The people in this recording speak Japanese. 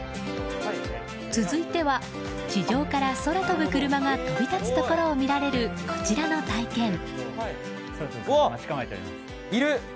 続いては地上から空飛ぶクルマが飛び立つところを見られるこちらの体験。